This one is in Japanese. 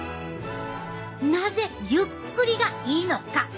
なぜゆっくりがいいのか？